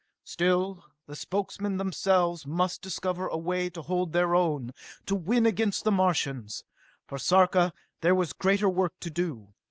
Still, the Spokesmen themselves must discover a way to hold their own, to win against the Martians. For Sarka there was greater work to do.